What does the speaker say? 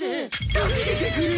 助けてくれ！